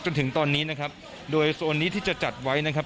จนถึงตอนนี้นะครับโดยโซนนี้ที่จะจัดไว้นะครับ